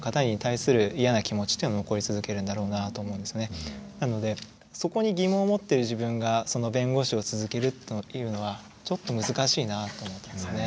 結局なのでそこに疑問を持ってる自分が弁護士を続けるというのはちょっと難しいなと思ったんですね。